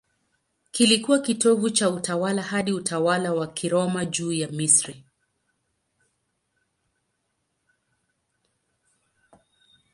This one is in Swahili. Kilikuwa kitovu cha utawala hadi utawala wa Kiroma juu ya Misri.